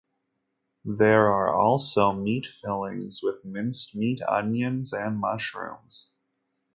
There are also meat fillings with minced meat, onions, and mushrooms.